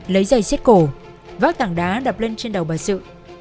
lấy giày xếp cổ vác tảng đá đập lên trên đầu bà sự